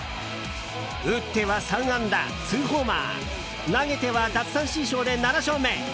打っては３安打２ホーマー投げては奪三振ショーで７勝目。